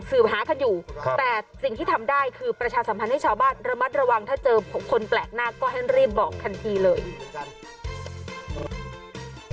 ถ้าเจอคนแปลกหน้าก็ให้เรียบบอกทันทีเลย